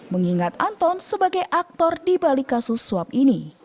mengingat anton sebagai aktor di balik kasus suap ini